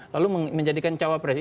lalu menjadikan cawa presiden